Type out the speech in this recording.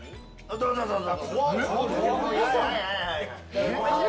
どうぞどうぞ。